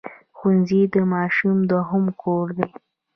ښوونځی د ماشوم دوهم کور دی